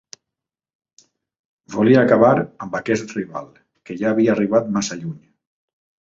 Volia acabar amb aquest rival que ja havia arribat massa lluny.